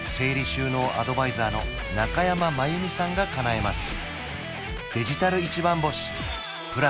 収納アドバイザーの中山真由美さんがかなえます